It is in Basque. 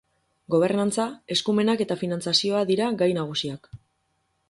Gobernantza, eskumenak eta finantzazioa dira gai nagusiak.